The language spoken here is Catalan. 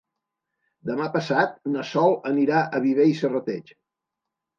Demà passat na Sol anirà a Viver i Serrateix.